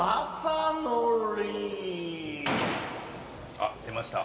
あっ出ました。